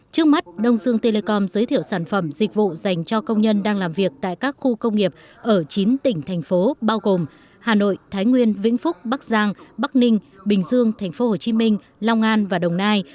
trước mắt đông dương telecom giới thiệu sản phẩm dịch vụ dành cho công nhân đang làm việc tại các khu công nghiệp ở chín tỉnh thành phố bao gồm hà nội thái nguyên vĩnh phúc bắc giang bắc ninh bình dương tp hcm long an và đồng nai